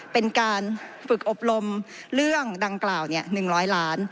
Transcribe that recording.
เป็นการฝึกอบรมเรื่องดังกล่าว๑๐๐ล้าน